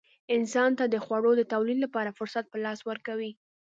انسان ته د خوړو د تولید لپاره فرصت په لاس ورکوي.